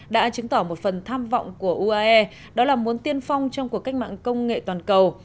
đã chứng tỏ một phần tham vọng của uae đó là muốn tiên phong trong cuộc cách mạng công nghệ toàn cầu